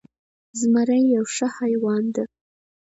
زمری یو ښه حیوان ده